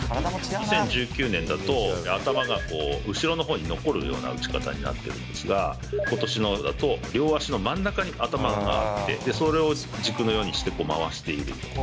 ２０１９年だと、頭が後ろのほうに残るような打ち方になっているんですが、ことしのだと、両足の真ん中に頭があって、それを軸のようにして回している。